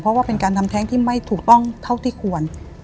เพราะว่าเป็นการทำแท้งที่ไม่ถูกต้องเท่าที่ควร